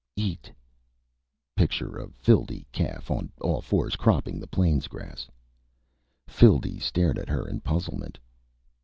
Eat. (Picture of Phildee/calf on all fours, cropping the plains grass.) Phildee stared at her in puzzlement.